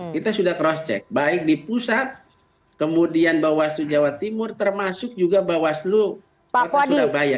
kita sudah cross check baik di pusat kemudian bawaslu jawa timur termasuk juga bawaslu kota surabaya